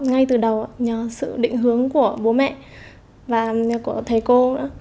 ngay từ đầu nhờ sự định hướng của bố mẹ và của thầy cô